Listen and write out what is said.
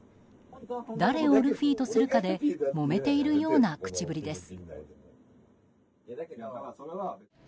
誰をルフィとするかでもめているような口ぶりです。